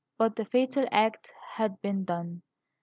But the fatal act had been done.